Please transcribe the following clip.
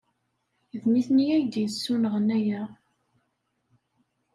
D nitni ay d-yessunɣen aya?